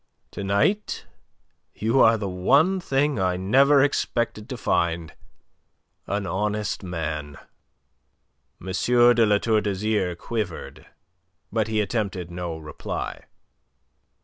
To night you are the one thing I never expected to find you: an honest man." M. de La Tour d'Azyr quivered. But he attempted no reply.